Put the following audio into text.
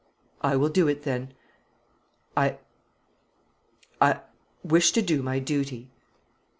"I will do it, then. I I wish to do my duty."